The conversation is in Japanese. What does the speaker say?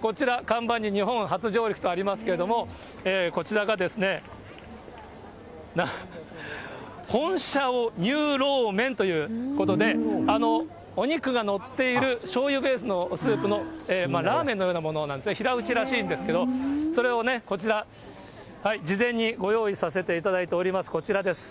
こちら、看板に日本初上陸とありますけれども、こちらがホンシャオニュウロウメンということで、お肉が載っている、しょうゆベースのスープのラーメンのようなものなんですが、平打ちらしいんですけれども、それをね、こちら、事前にご用意させていただいております、こちらです。